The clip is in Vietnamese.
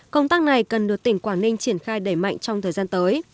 công tác này cần được tỉnh quảng ninh triển khai đẩy mạnh trong thời gian tới